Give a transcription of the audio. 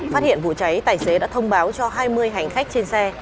phát hiện vụ cháy tài xế đã thông báo cho hai mươi hành khách trên xe